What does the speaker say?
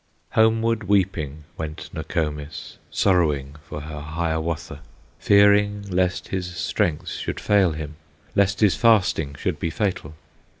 Homeward weeping went Nokomis, Sorrowing for her Hiawatha, Fearing lest his strength should fail him, Lest his fasting should be fatal.